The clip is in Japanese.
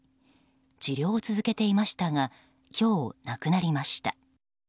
治療を続けていましたが今日、亡くなりました。